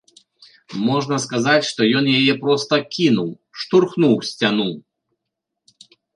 Можна сказаць, што ён яе проста кінуў, штурхнуў у сцяну.